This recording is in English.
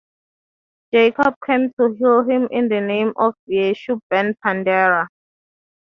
Jacob came to heal him in the name of Yeshu ben Pandera.